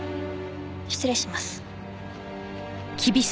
失礼します。